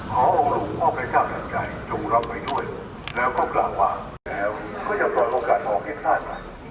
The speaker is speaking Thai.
ขอเอาลูกพ่อพระเจ้าตั้งใจจุงรับไว้ด้วยแล้วก็กล่าววางแล้วก็อย่าปล่อยโอกาสออกให้ท่านมา